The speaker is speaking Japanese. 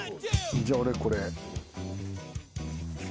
じゃあ俺これ。